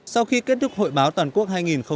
sau khi kết thúc hội báo toàn quốc hai nghìn một mươi bảy